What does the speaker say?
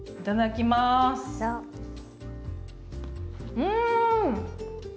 うん！